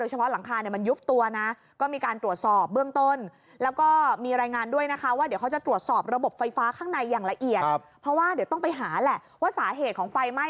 หลังคาต้องเอาออกก่อนนะคะ